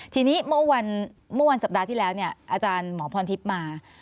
ทีนี้เมื่อวันสัปดาห์ที่แล้วเนี่ยอาจารย์หมอพรทิพย์มา